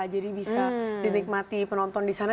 jadi bisa dinikmati penonton di sana